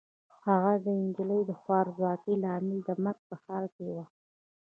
هغه نجلۍ د خوارځواکۍ له امله د مرګ په حال کې وه.